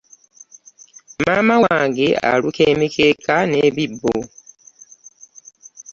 Maama wange aluka emikeeka n'ebibbo.